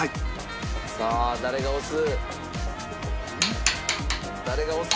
さあ誰が押す？